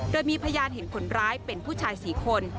โดยมีพยานเห็นคนร้ายเป็นผู้ชาย๔คน